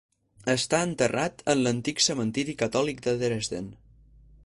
Està enterrat en l'Antic Cementiri Catòlic de Dresden.